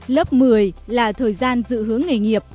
lớp một mươi là thời gian dự hướng nghề nghiệp